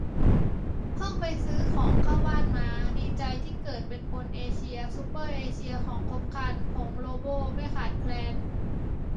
เพิ่งไปซื้อของเข้าบ้านมา ดีใจที่เกิดเป็นคนเอเชีย ซูเปอร์เอเชียของครบครัน ผงโลโบไม่ขาดแคลน